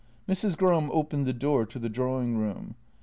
Mrs. Gram opened the door to the drawing room.